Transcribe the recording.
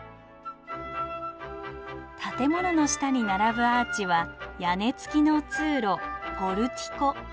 建物の下に並ぶアーチは屋根つきの通路ポルティコ。